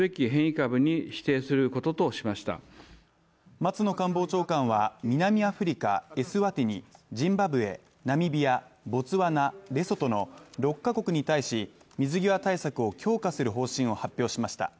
松野官房長官は、南アフリカ、エスワティニジンバブエ、ナミビア、ボツワナ、レソトの６カ国に対し、水際対策を強化する方針を発表しました。